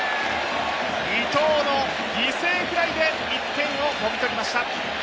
伊藤の犠牲フライで１点をもぎ取りました。